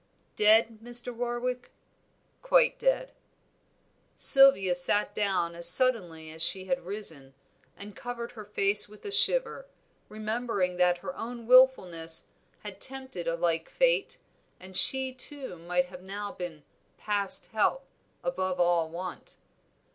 "Dead, Mr. Warwick?" "Quite dead." Sylvia sat down as suddenly as she had risen, and covered her face with a shiver, remembering that her own wilfulness had tempted a like fate, and she too, might now have been 'past help, above all want.'